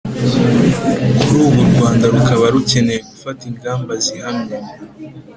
kuri ubu u rwanda rukaba rukeneye gufata ingamba zihamye